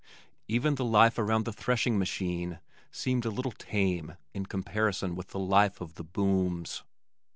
Even the life around the threshing machine seemed a little tame in comparison with the life of the booms.